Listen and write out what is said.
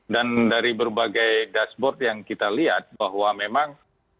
dari berbagai dashboard yang kita lihat bahwa memang